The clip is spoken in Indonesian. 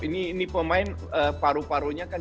ini pemain paru parunya kan dua puluh tiga